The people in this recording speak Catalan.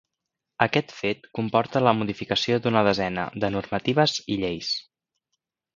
Aquest fet comporta la modificació d'una desena de normatives i lleis.